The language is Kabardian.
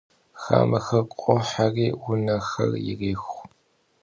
Xameher khoheri vuneher yirêxu.